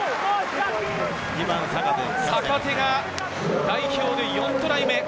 坂手が代表で４トライ目。